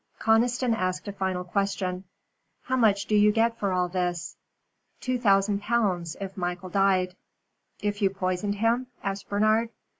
Conniston asked a final question. "How much do you get for all this?" "Two thousand pounds if Michael died." "If you poisoned him?" asked Bernard.